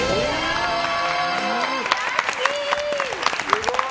すごい！